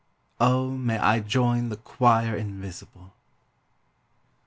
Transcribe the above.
O, MAY I JOIN THE CHOIR INVISIBLE!